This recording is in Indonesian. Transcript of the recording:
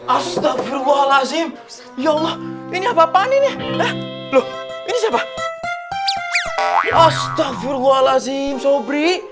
astagfirullahaladzim sobri kenapa baju kamu besar kayak gini